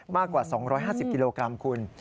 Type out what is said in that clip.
มากกว่า๒๕๐กิโลกรัมคุณ